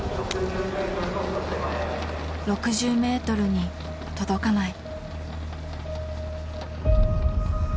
６０ｍに届かない。